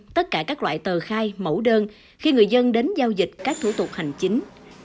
tất cả các loại tờ khai mẫu đơn khi người dân đến giao dịch các thủ tục hành chính